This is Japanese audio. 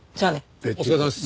お疲れさまです。